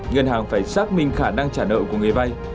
ngân hàng phải xác minh khả năng trả nợ của người vay